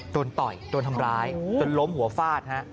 ต่อยโดนทำร้ายจนล้มหัวฟาดฮะ